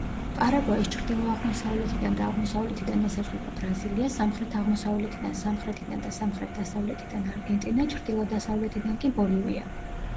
პარაგვაის ჩრდილო-აღმოსავლეთიდან და აღმოსავლეთიდან ესაზღვრება ბრაზილია, სამხრეთ-აღმოსავლეთიდან, სამხრეთიდან და სამხრეთ-დასავლეთიდან არგენტინა, ჩრდილო-დასავლეთიდან კი ბოლივია.